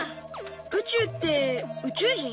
宇宙って宇宙人？